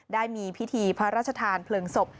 ได้มีพิธีพระราชทานเพลิงศพ